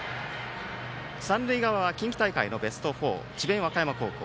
三塁側は近畿大会のベスト４智弁和歌山高校。